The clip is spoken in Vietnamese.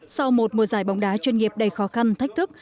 sau một mùa giải bóng đá chuyên nghiệp đầy khó khăn thách thức